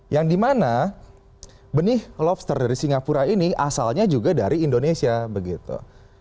yang dimana benih lobster dari singapura ini asalnya juga dari indonesia begitu